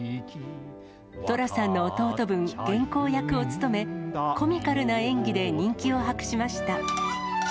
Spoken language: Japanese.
寅さんの弟分、源公役を務め、コミカルな演技で人気を博しました。